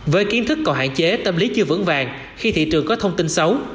với kiến thức còn hạn chế tâm lý chưa vững vàng khi thị trường có thông tin xấu